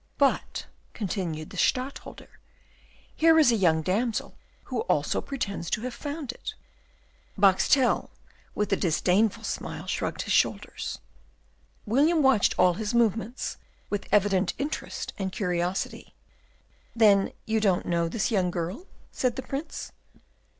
"But," continued the Stadtholder, "here is a young damsel who also pretends to have found it." Boxtel, with a disdainful smile, shrugged his shoulders. William watched all his movements with evident interest and curiosity. "Then you don't know this young girl?" said the Prince.